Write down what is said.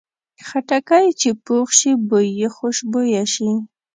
خټکی چې پوخ شي، بوی یې خوشبویه شي.